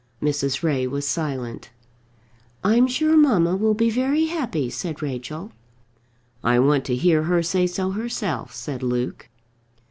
Mrs. Ray was silent. "I'm sure mamma will be very happy," said Rachel. "I want to hear her say so herself," said Luke.